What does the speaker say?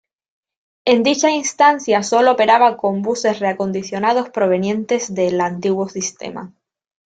En dicha instancia solo operaba con buses reacondicionados provenientes del antiguo sistema.